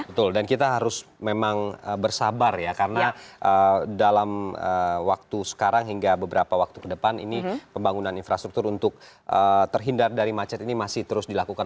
betul dan kita harus memang bersabar ya karena dalam waktu sekarang hingga beberapa waktu ke depan ini pembangunan infrastruktur untuk terhindar dari macet ini masih terus dilakukan